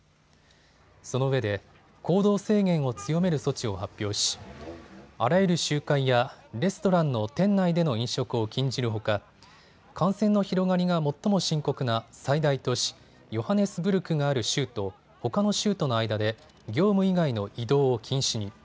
そのうえで行動制限を強める措置を発表しあらゆる集会やレストランの店内での飲食を禁じるほか感染の広がりが最も深刻な最大都市、ヨハネスブルクがある州とほかの州との間で業務以外の移動を禁止に。